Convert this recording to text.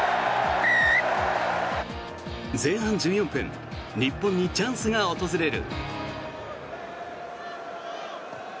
前半１４分日本にチャンスが訪れる。